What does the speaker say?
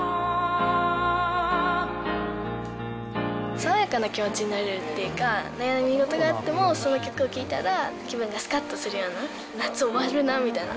爽やかな気持ちになれるっていうか、悩み事があっても、その曲を聴いたら、気分がすかっとするような、夏終わるなみたいな。